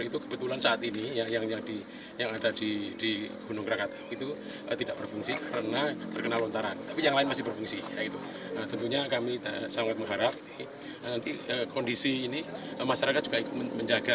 tentunya kami sangat mengharap nanti kondisi ini masyarakat juga ikut menjaga